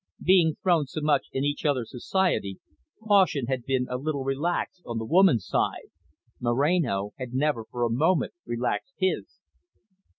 Being thrown so much in each other's society, caution had been a little relaxed on the woman's side Moreno had never for a moment relaxed his.